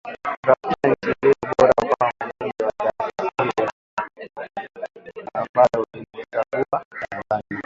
Kutafuta nchi iliyo bora kuwa mwenyeji wa taasisi hiyo, ambayo iliichagua Tanzania .